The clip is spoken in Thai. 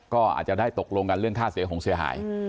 ก็อาจจะได้ตกลงกันเรื่องค่าเสียหงเสียหาย